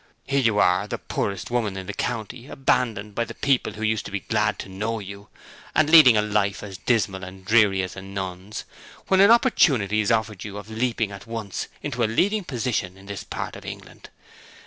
Here you are, the poorest woman in the county, abandoned by people who used to be glad to know you, and leading a life as dismal and dreary as a nun's, when an opportunity is offered you of leaping at once into a leading position in this part of England.